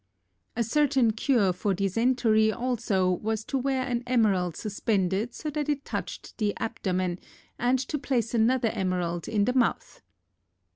A certain cure for dysentery also was to wear an emerald suspended so that it touched the abdomen and to place another emerald in the mouth.